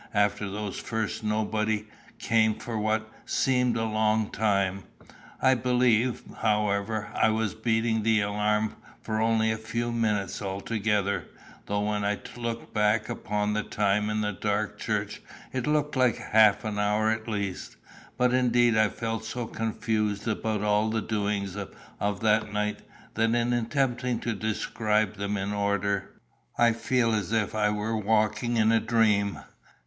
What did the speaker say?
After those first nobody came for what seemed a long time. I believe, however, I was beating the alarum for only a few minutes altogether, though when I look back upon the time in the dark church, it looks like half an hour at least. But indeed I feel so confused about all the doings of that night that in attempting to describe them in order, I feel as if I were walking in a dream.